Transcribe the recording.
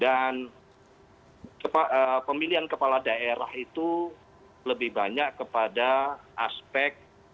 dan pemilihan kepala daerah itu lebih banyak kepada aspek pilihan terhadap